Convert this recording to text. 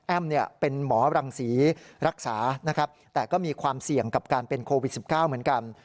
เป็นหมอรังศรีรักษานะครับแต่ก็มีความเสี่ยงกับการเป็นโควิด๑๙เหมือนกัน